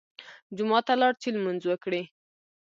جومات ته لاړ چې لمونځ وکړي.